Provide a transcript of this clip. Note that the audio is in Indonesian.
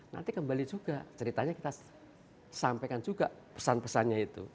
nanti kembali juga ceritanya kita sampaikan juga pesan pesannya itu